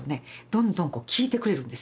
どんどん聞いてくれるんですよ